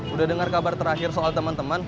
udah dengar kabar terakhir soal teman teman